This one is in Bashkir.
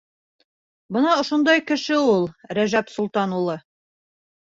Бына ошондай кеше ул Рәжәп Солтан улы.